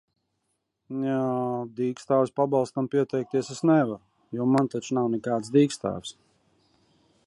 Mjā, dīkstāves pabalstam pieteikties es nevaru, jo man toč nav nekādas dīkstāves!